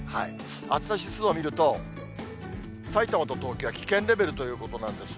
暑さ指数を見ると、埼玉と東京は危険レベルということなんです。